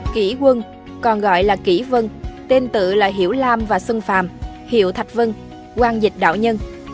kỷ quân còn gọi là kỷ vân tên tự là hiểu lam và xuân phạm hiệu thạch vân quang dịch đạo nhân